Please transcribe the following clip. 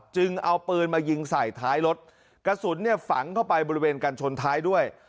จึงเอาปืนมายิงใส่ท้ายรถกระสุนเนี่ยฝังเข้าไปบริเวณกันชนท้ายด้วย